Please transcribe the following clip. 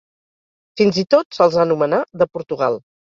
Fins i tot se'ls anomenà de Portugal.